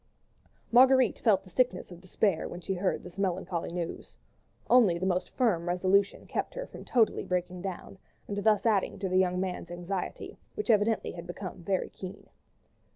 Marguerite felt the sickness of despair when she heard this melancholy news. Only the most firm resolution kept her from totally breaking down, and thus adding to the young man's anxiety, which evidently had become very keen.